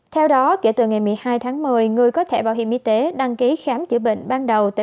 theo đó kể từ ngày một mươi hai tháng một mươi người có thể bảo hiểm y tế đăng ký khám chữa bệnh ban đầu tại